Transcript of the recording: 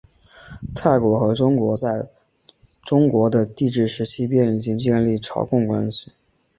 泰国和中国在中国的帝制时期便已经建立朝贡关系。